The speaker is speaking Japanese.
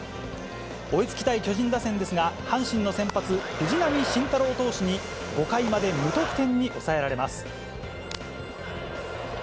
追いつきたい巨人打線ですが、阪神の先発、藤浪晋太郎投手に、５回まで無得点に抑えられます。